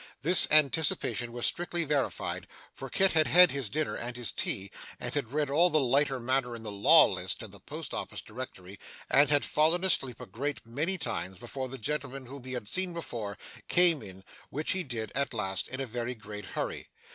This anticipation was strictly verified, for Kit had had his dinner, and his tea, and had read all the lighter matter in the Law List, and the Post Office Directory, and had fallen asleep a great many times, before the gentleman whom he had seen before, came in; which he did at last in a very great hurry.